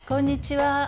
こんにちは。